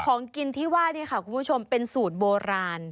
ของกินที่ว่านี่ค่ะคุณผู้ชมเป็นสูตรโบราณ